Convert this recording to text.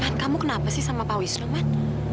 man kamu kenapa sih sama pak wisnu man